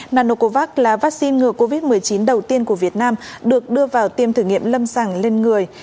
nanocovax là vaccine ngừa covid một mươi chín đầu tiên của việt nam được đưa vào tiêm thử nghiệm lâm sàng lên người